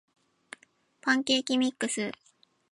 パンケーキミックス